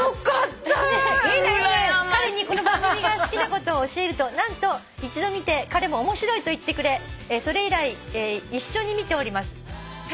「彼にこの番組が好きなことを教えると何と一度見て彼も『面白い』と言ってくれそれ以来一緒に見ております」